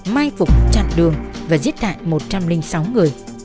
mai phục chặt đường và giết tạng một trăm linh sáu người